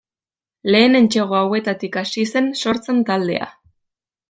Lehen entsegu hauetatik hasi zen sortzen taldea.